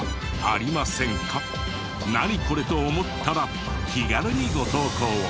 「ナニコレ？」と思ったら気軽にご投稿を。